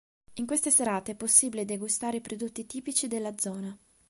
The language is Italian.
In queste serate è possibile degustare i prodotti tipici della zona.